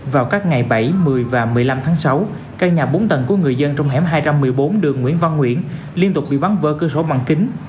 vào các ngày bảy một mươi và một mươi năm tháng sáu căn nhà bốn tầng của người dân trong hẻm hai trăm một mươi bốn đường nguyễn văn nguyễn liên tục bị bắn vỡ cửa sổ bằng kính